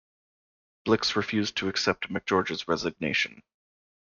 Blix refused to accept McGeorge's resignation.